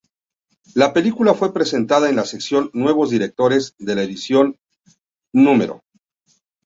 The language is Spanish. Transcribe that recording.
La película fue presentada en la sección "Nuevos Directores" de la edición No.